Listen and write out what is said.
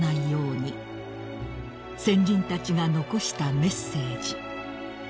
［先人たちが残したメッセージ］